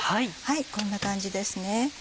こんな感じですね。